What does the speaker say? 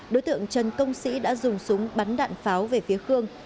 đối tượng trần công sĩ đã dùng súng bắn đạn pháo về phía khương